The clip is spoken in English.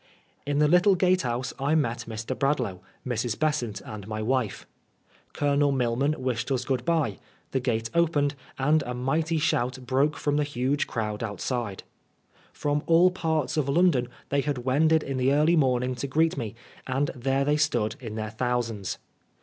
In the little gate house I met Mr. Bradlaugh, Mrs. Besant, and my wife. Colonel Milman wished us good bye, the gate opened, and a mighty shout broke DAYLIGHT. 177 from the huge crowd outside. From all parts of London they had wended in the early morning to greet me, and there they stood in their thousands.